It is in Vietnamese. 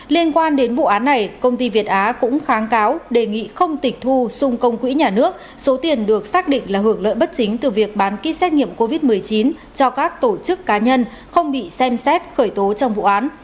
liên quan đến vụ án này công ty việt á cũng kháng cáo đề nghị không tịch thu xung công quỹ nhà nước số tiền được xác định là hưởng lợi bất chính từ việc bán ký xét nghiệm covid một mươi chín cho các tổ chức cá nhân không bị xem xét khởi tố trong vụ án